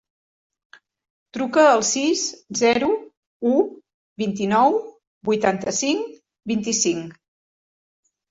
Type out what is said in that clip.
Truca al sis, zero, u, vint-i-nou, vuitanta-cinc, vint-i-cinc.